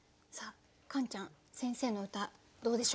カンちゃん先生の歌どうでしょう？